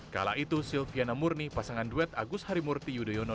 kala itu silviana murni pasangan duet agus harimurti yudhoyono